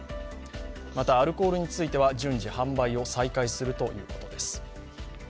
また、アルコールについては順次販売を再開するということです。